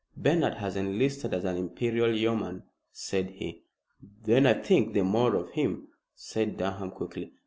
"Bernard has enlisted as an Imperial Yeoman," said he. "Then I think the more of him," said Durham quickly.